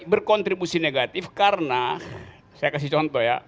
berkontribusi negatif karena saya kasih contoh ya